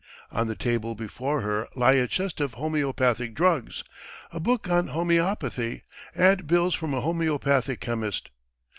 On the table before her lie a chest of homeopathic drugs, a book on homeopathy, and bills from a homeopathic chemist.